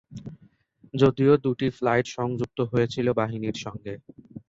যদিও দুটি ফ্লাইট সংযুক্ত হয়েছিল বাহিনীর সঙ্গে।